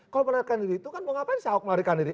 kalau menarikan diri itu kan mau ngapain sih ahok melarikan diri